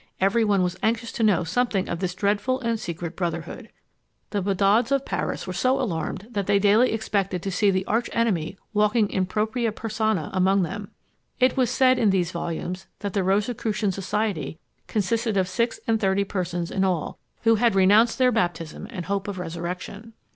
Every one was anxious to know something of this dreadful and secret brotherhood. The badauds of Paris were so alarmed that they daily expected to see the arch enemy walking in propria persona among them. It was said in these volumes that the Rosicrucian society consisted of six and thirty persons in all, who had renounced their baptism and hope of resurrection.